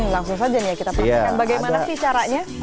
langsung saja nih kita perhatikan bagaimana sih